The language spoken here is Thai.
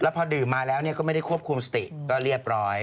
พอดื่มมาแล้วก็ไม่ได้ควบคุมสติก็เรียบร้อย